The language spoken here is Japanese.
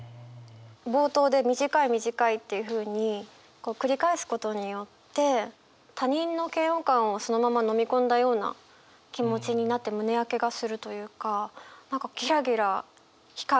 冒頭で「短い短い」っていうふうに繰り返すことによって他人の嫌悪感をそのまま飲み込んだような気持ちになって胸焼けがするというか。